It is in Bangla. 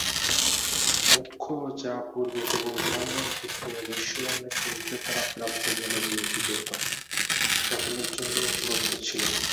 মোক্ষ যা পূর্বে কেবল ব্রাহ্মণ, ক্ষত্রিয় ও বৈশ্য বর্ণের পুরুষদের দ্বারা প্রাপ্য বলে বিবেচিত হত, সকলের জন্য উপলব্ধ ছিল।